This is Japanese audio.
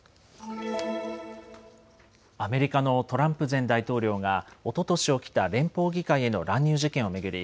アメリカのトランプ前大統領がおととし起きた連邦議会への乱入事件を巡り